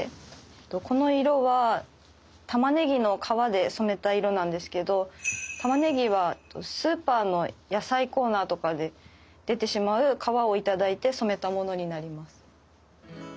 この色はたまねぎの皮で染めた色なんですけどたまねぎはスーパーの野菜コーナーとかで出てしまう皮を頂いて染めたものになります。